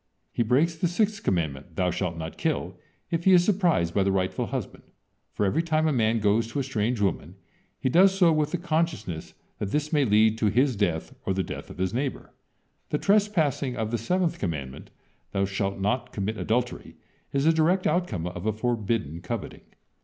He breaks the sixth commandment: "Thou shalt not kill," if he is surprised by the rightful husband, for every time a man goes to a strange woman, he does so with the consciousness that this may lead to his death or the death of his neighbor. The trespassing of the seventh commandment: "Thou shalt not commit adultery," is the direct outcome of a forbidden coveting.